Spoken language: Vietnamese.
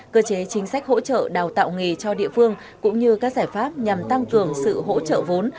cơ chế chính sách hỗ trợ đào tạo nghề cho địa phương cũng như các giải pháp nhằm tăng cường sự hỗ trợ vốn